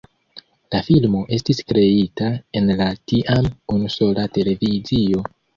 La filmo estis kreita en la tiam unusola televizio.